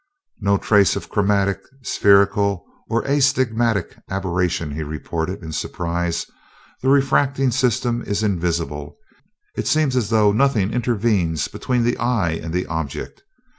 "No trace of chromatic, spherical, or astigmatic aberration," he reported in surprise. "The refracting system is invisible it seems as though nothing intervenes between the eye and the object.